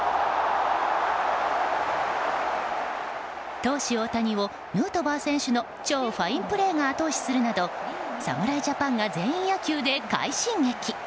投手・大谷をヌートバー選手の超ファインプレーが後押しするなど侍ジャパンが全員野球で快進撃。